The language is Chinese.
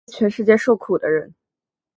起来，全世界受苦的人！